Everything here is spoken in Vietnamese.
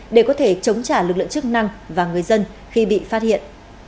để có thể chống trả lực lượng chức năng và người dân khi bị phát hiện